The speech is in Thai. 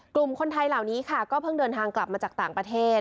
กลุ่มคนไทยเหล่านี้ค่ะก็เพิ่งเดินทางกลับมาจากต่างประเทศ